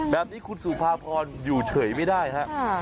แบบนี้คุณสุภาพรอยู่เฉยไม่ได้ครับ